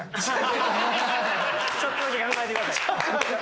ちょっとだけ考えてください